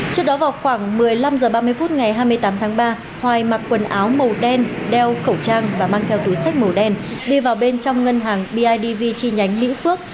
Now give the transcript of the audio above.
trước đó vào khoảng một mươi năm h ba mươi phút ngày hai mươi tám tháng ba hoài mặc quần áo màu đen đeo khẩu trang và mang theo túi sách màu đen đi vào bên trong ngân hàng bidv chi nhánh mỹ phước